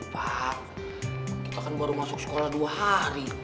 pak kita kan baru masuk sekolah dua hari